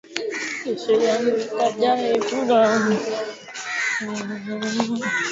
karibuni imeacha kumbukumbu yake inayoonekana katika